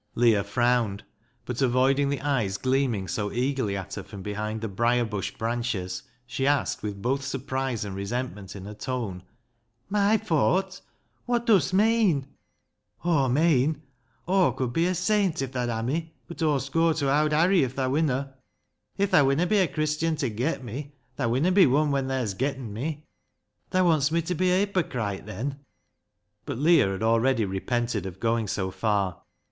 Leah frowned, but avoiding the eyes gleam ing so eagerly at her from behind the briar bush branches, she asked, with both surprise and resentment in her tone —" My fawt ? Wot dust meean ?"" Aw meean Aw could be a saint if tha'd ha' me, bud Aw'st goa ta Owd Harry if thaa winna." " If thaa winna be a Christian ta get me, tha winna be wun when thaa hes getten me." " Thaa wants me ta be a hypocryte then ?" But Leah had already repented of going so far.